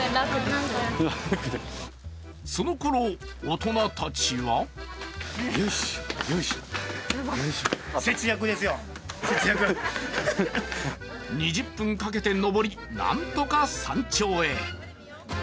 そのころ、大人たちは２０分かけて上り、何とか山頂へ。